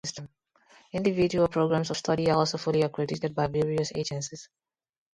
Individual programs of study are also fully accredited by various agencies.